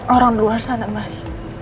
orang luar sana mas